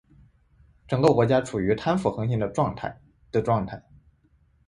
整个国家处于贪腐横行的状态的状态。